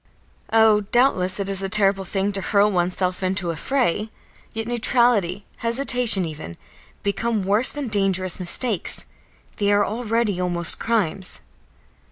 Oh, doubtless it is a terrible thing to hurl oneself into such a fray! Yet neutrality, hesitation even, become worse than dangerous mistakes; they are already almost crimes.